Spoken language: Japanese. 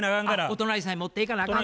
お隣さんへ持っていかなあかん。